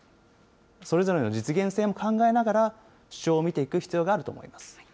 それぞれの実現性も考えながら、主張を見ていく必要があると思い